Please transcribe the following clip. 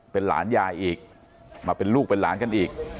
เป็นหลานยายอีกมาเป็นลูกเป็นหลานกันอีก